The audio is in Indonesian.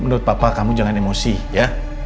menurut papa kamu jangan emosi ya